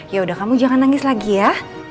yaudah kamu jangan nangis lagi ya